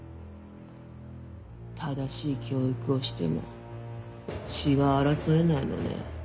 正しい教育をしても血は争えないのね。